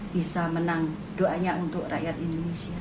bisa menang doanya untuk rakyat indonesia